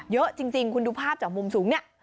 เยอะจริงคุณดูภาพจากมุมสูงเนี่ย